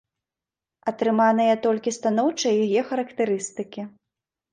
Атрыманыя толькі станоўчыя яе характарыстыкі.